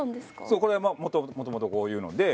これはまあもともとこういうので。